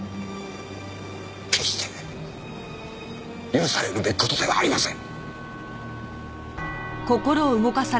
決して許されるべき事ではありません！